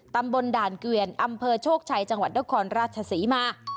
ตำบลด่านเกวียนอำเภอโชคชัยจังหวัดนครราชศรีมา